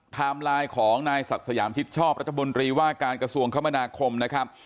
ไลน์ของนายศักดิ์สยามชิดชอบรัฐมนตรีว่าการกระทรวงคมนาคมนะครับ